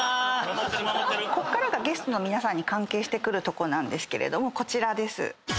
ここからがゲストの皆さんに関係してくるとこなんですけれどもこちらです。